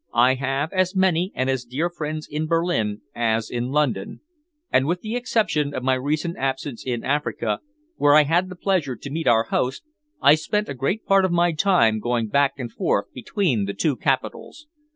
I have as many and as dear friends in Berlin as in London, and with the exception of my recent absence in Africa, where I had the pleasure to meet our host, I spent a great part of my time going back and forth between the two capitals.